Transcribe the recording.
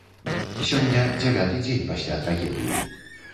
Сёння дзявяты дзень пасля трагедыі.